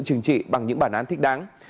trừng trị bằng những bản án thích đáng